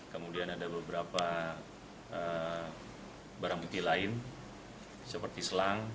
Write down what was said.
kemudian ada beberapa barang bukti lain seperti selang